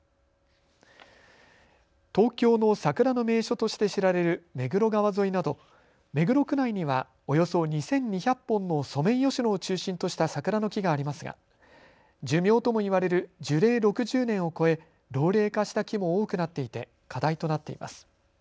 東京の桜の名所として知られる目黒川沿いなど目黒区内にはおよそ２２００本のソメイヨシノを中心とした桜の木がありますが寿命とも言われる樹齢６０年を超え老齢化した木も多くなっていて課題となっています。